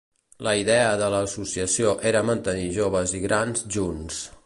La idea de l'associació era mantenir joves i grans junts.